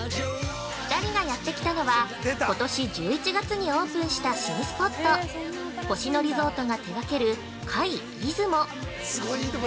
◆２人がやってきたのはことし１１月にオープンした新スポット星野リゾートが手掛ける「界出雲」。